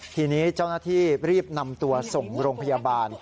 ทีนี้เจ้าหน้าที่รีบนำตัวส่งโรงพยาบาล